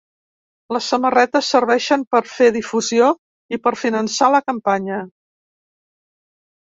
Les samarretes serveixen per fer difusió i per finançar la campanya.